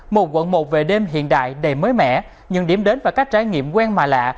một quận một về đêm hiện đại đầy mới mẻ những điểm đến và các trải nghiệm quen mà lạ